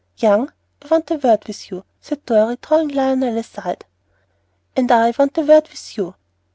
"Young, I want a word with you," said Dorry, drawing Lionel aside. "And I want a word with you."